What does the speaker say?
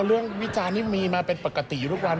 วิจารณ์นี้มีมาเป็นปกติอยู่ทุกวัน